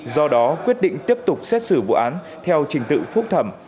do đó quyết định tiếp tục xét xử vụ án theo trình tự phúc thẩm